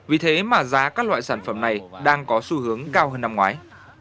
vì thế mà giá các loại sản phẩm này đang có xu hướng cao hơn năm ngoái